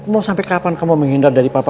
mau sampai kapan kamu menghindar dari papa